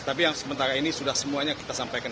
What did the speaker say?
tapi yang sementara ini sudah semuanya kita sampaikan